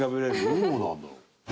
どうなんだろう？